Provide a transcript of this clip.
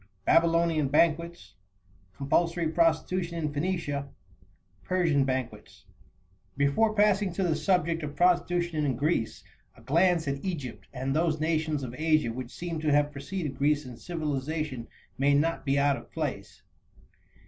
Babylonian Banquets. Compulsory Prostitution in Phoenicia. Persian Banquets. Before passing to the subject of prostitution in Greece, a glance at Egypt, and those nations of Asia which seem to have preceded Greece in civilization, may not be out of place.